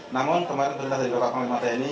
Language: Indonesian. namun kemarin berita dari bapak pak pemimpin mata ini